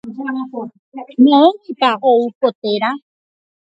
Moõguipa ou ko téra.